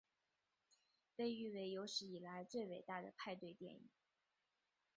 被誉为有史以来最伟大的派对电影。